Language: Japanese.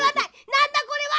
なんだこれは！